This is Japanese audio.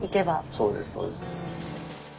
そうですそうです。